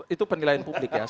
itu penilaian publik ya